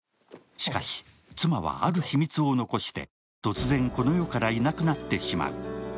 しかし、妻はある秘密を残して突然、この世からいなくなってしまう。